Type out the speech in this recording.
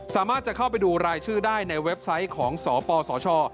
สามารถจะเข้าไปดูรายชื่อได้ในเว็บไซต์ของสปสช